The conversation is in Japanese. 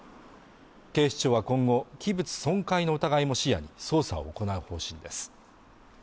警視庁は今後器物損壊の疑いも視野に捜査を行う方針です